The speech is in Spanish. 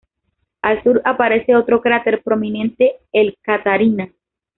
Al sur aparece otro cráter prominente, el Catharina.